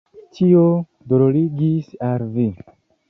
Tio dolorigis al vi.